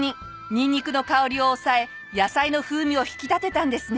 ニンニクの香りを抑え野菜の風味を引き立てたんですね。